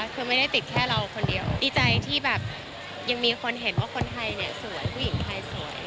คือไม่ได้ติดแค่เราคนเดียวดีใจที่แบบยังมีคนเห็นว่าคนไทยเนี่ยสวย